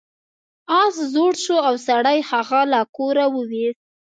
اس زوړ شو او سړي هغه له کوره وویست.